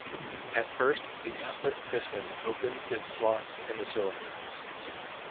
At first, the outlet piston opens its slots in the cylinder.